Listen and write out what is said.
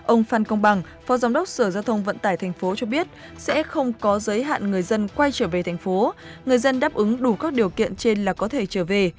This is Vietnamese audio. ông phan công bằng phó giám đốc sở giao thông vận tải tp cho biết sẽ không có giới hạn người dân quay trở về thành phố người dân đáp ứng đủ các điều kiện trên là có thể trở về